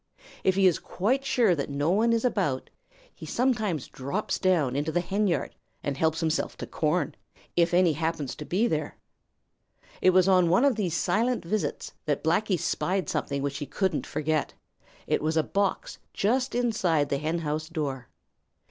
If he is quite sure that no one is about, he sometimes drops down into the henyard and helps himself to corn, if any happens to be there. It was on one of these silent visits that Blacky spied something which he couldn't forget. It was a box just inside the henhouse door.